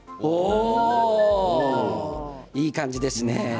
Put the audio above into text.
いい感じですね。